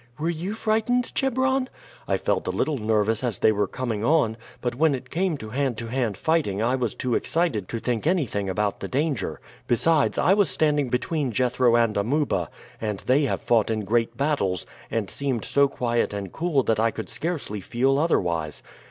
"Were you frightened, Chebron?" "I felt a little nervous as they were coming on, but when it came to hand to hand fighting I was too excited to think anything about the danger. Besides, I was standing between Jethro and Amuba, and they have fought in great battles, and seemed so quiet and cool that I could scarcely feel otherwise.